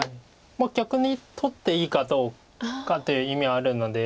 逆に取っていいかどうかという意味はあるので。